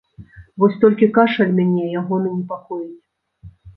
Вось толькі кашаль мяне ягоны непакоіць.